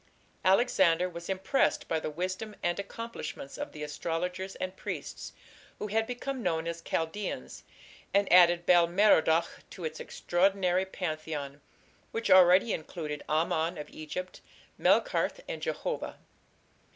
Alexander was impressed by the wisdom and accomplishments of the astrologers and priests, who had become known as "Chaldaeans", and added Bel Merodach to his extraordinary pantheon, which already included Amon of Egypt, Melkarth, and Jehovah.